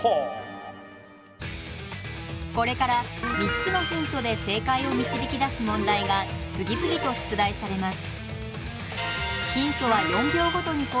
これから３つのヒントで正解を導き出す問題が次々と出題されます。